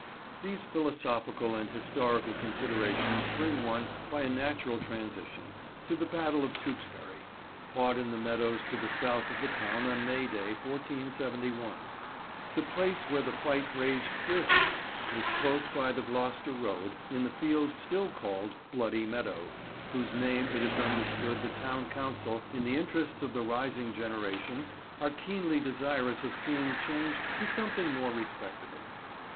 These philosophical and historical considerations bring one, by a natural transition, to the Battle of Tewkesbury, fought in the meadows to the south of the town on May Day 1471. The place where the fight raged fiercest was close by the Gloucester road, in the field still called "Bloody Meadow," whose name it is understood the town council, in the interests of the rising generation, are keenly desirous of seeing changed to something more respectable.